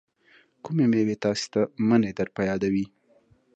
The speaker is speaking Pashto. کومې میوې تاسې ته منی در په یادوي؟